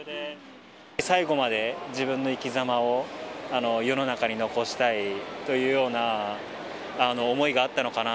最後まで自分の生きざまを世の中に残したいというような思いがあったのかな。